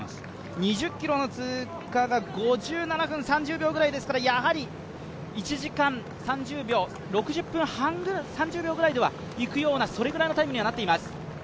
２０ｋｍの通過が５７分３０秒くらいですからやはり１時間３０秒ぐらいではいくようなそれぐらいのタイムにはなっています。